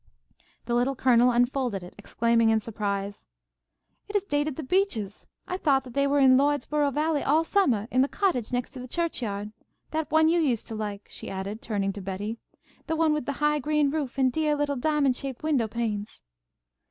The Little Colonel unfolded it, exclaiming in surprise, "It is dated 'The Beeches.' I thought that they were in Lloydsboro Valley all summah, in the cottage next to the churchyard. That one you used to like," she added, turning to Betty. "The one with the high green roof and deah little diamond shaped window panes."